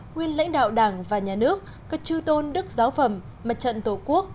nguyên lãnh đạo đảng và nhà nước các chư tôn đức giáo phẩm mặt trận tổ quốc